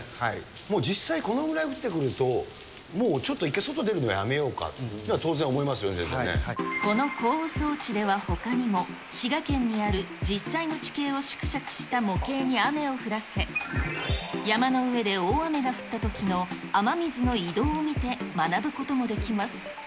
もう実際、このぐらい降ってくると、もうちょっと一回外出るのやめようかって当然思いますよね、この降雨装置ではほかにも、滋賀県にある実際の地形を縮尺した模型に雨を降らせ、山の上で大雨が降ったときの、雨水の移動を見て学ぶこともできます。